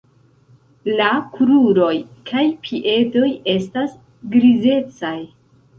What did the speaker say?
La kruroj kaj piedoj estas grizecaj.